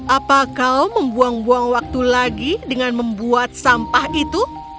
apa kau membuang buang waktu lagi dengan membuat sampah itu